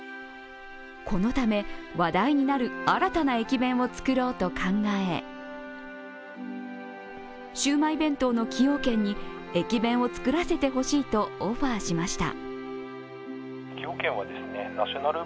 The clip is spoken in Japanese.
このため、話題になる新たな駅弁を作ろうと考えシウマイ弁当の崎陽軒に駅弁を作らせてほしいとオファーしました。